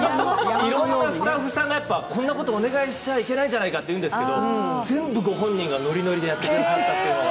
いろんなスタッフさんがこんなことお願いしちゃいけないんじゃないかと言うんですけど、全部ご本人がノリノリでやってくださって。